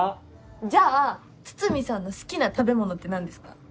じゃあ筒見さんの好きな食べ物って何ですか？